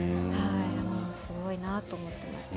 すごいなと思っていました。